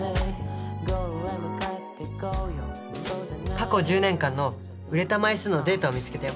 過去１０年間の売れた枚数のデータを見つけたよ。